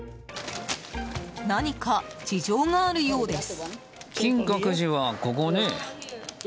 何か事情があるようです。